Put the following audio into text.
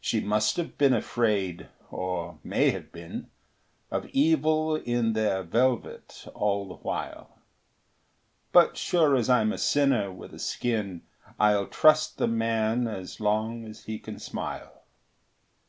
She must have been afraid, or may have been, Of evil in their velvet all the while; But sure as I'm a sinner with a skin, I'll trust the man as long as he can smile.